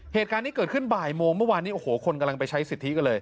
เหตุการณ์นี้เกิดขึ้นบ่ายโมงเมื่อวานนี้โอ้โหคนกำลังไปใช้สิทธิกันเลย